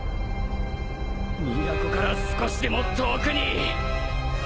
都から少しでも遠くに。